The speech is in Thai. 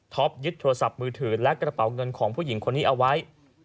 ยึดโทรศัพท์มือถือและกระเป๋าเงินของผู้หญิงคนนี้เอาไว้